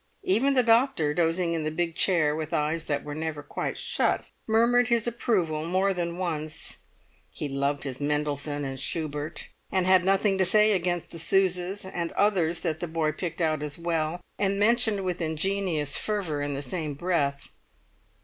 Even the doctor, dozing in the big chair with eyes that were never quite shut, murmured his approval more than once; he loved his Mendelssohn and Schubert, and had nothing to say against the Sousas and others that the boy picked out as well, and mentioned with ingenuous fervour in the same breath.